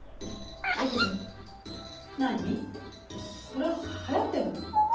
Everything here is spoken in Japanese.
それはやってんの？